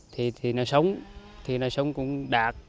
thì nó sống thì nó sống cũng đạt